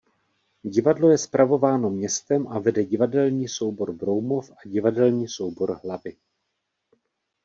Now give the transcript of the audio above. Divadlo je spravováno městem a vede divadelní soubor Broumov a divadelní soubor Hlavy.